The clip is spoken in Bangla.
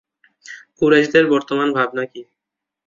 কুরাইশদের বর্তমান ভাবনা কী?